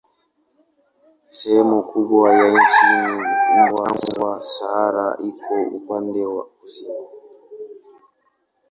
Sehemu kubwa ya nchi ni jangwa, Sahara iko upande wa kusini.